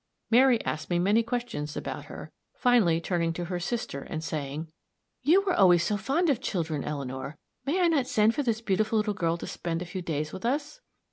Mary asked me many questions about her, finally turning to her sister, and saying, "You were always so fond of children, Eleanor. May I not send for this beautiful little girl to spend a few days with us?"